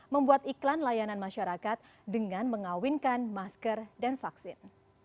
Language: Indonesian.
membuat iklan layanan masyarakat dengan mengawinkan masker dan vaksin